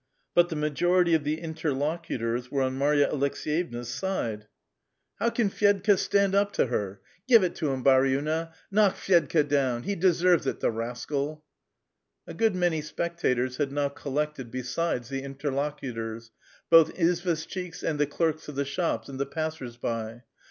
" But the majority of the interlocutors were on Marya Aleks^jevna's side. UO A VITAL QUESTION. '* IIow can Fyedka stand up to her? "'* Ciive it to him, haruina! knock Fvedka down ! He de sen'cs it, the rascal." A gooil many 8i)ectators had now collected besides the intork>cutor3, both izvtjshchiks^ and the clerks of the shops, and the passers by.